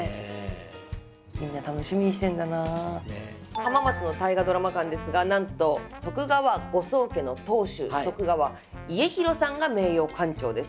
浜松の大河ドラマ館ですがなんと徳川ご宗家の当主徳川家広さんが名誉館長です。